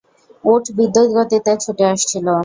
উট বিদ্যুৎ গতিতে ছুটে আসছিল।